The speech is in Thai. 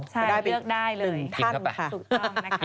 ใช่เลือกได้เลยก็ได้เป็น๑ท่านค่ะ